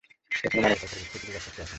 এখানে মানবেতর পরিস্থিতি বিরাজ করছে এখন।